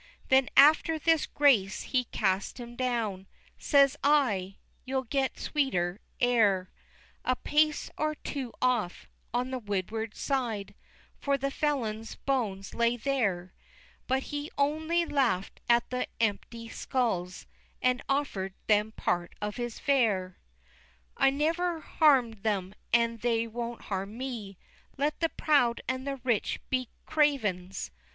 V. Then after this grace he cast him down: Says I, "You'll get sweeter air A pace or two off, on the windward side" For the felons' bones lay there But he only laugh'd at the empty skulls, And offer'd them part of his fare. VI. "I never harm'd them, and they won't harm me: Let the proud and the rich be cravens!"